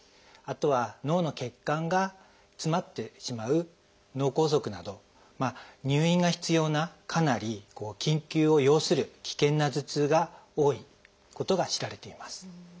あとは脳の血管が詰まってしまう「脳梗塞」など入院が必要なかなり緊急を要する危険な頭痛が多いことが知られています。